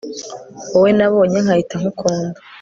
wowe nabonye nkahita nkukunda